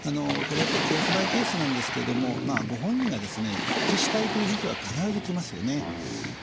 これやっぱりケースバイケースなんですけどもご本人がですね復帰したいという時期は必ず来ますよね。